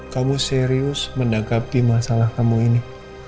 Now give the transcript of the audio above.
kamu serius menanggapi masalah kamu ini